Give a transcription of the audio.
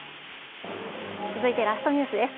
続いてラストニュースです。